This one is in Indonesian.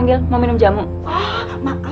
bisa berubah juga